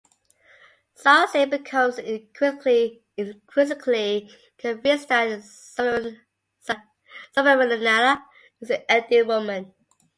Sarrasine becomes increasingly convinced that Zambinella is the ideal woman.